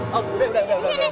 nama aku belom pak